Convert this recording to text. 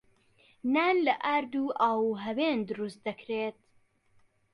نان لە ئارد و ئاو و هەوێن دروست دەکرێت.